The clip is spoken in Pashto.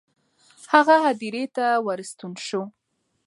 هغه هدیرې ته ورستون شو.